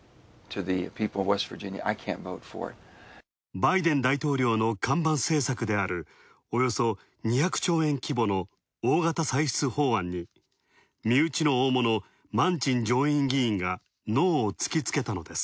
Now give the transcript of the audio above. バイデン大統領の看板政策であるおよそ２００兆円規模の大型歳出法案に身内の大物、マンチン上院議員が、ノーを突きつけたのです。